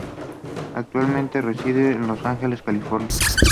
Actualmente reside en Los Ángeles, California.